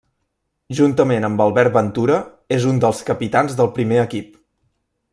Juntament amb Albert Ventura, és un dels capitans del primer equip.